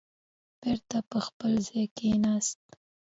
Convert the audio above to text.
بېرته په خپل ځای کېناست.